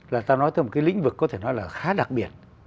là ta nói tới một cái lĩnh vực có thể nói là khá đặc biệt